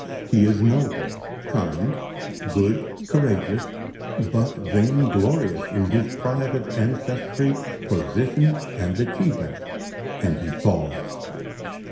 He is noble, kind, good, courageous, but vainglorious in his pride of ancestry, position, and achievement; and he falls.